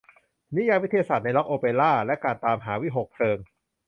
นิยายวิทยาศาสตร์ในร็อคโอเปร่า และการตามหาวิหคเพลิง